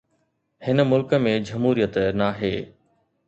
هن ملڪ ۾ جمهوريت ناهي.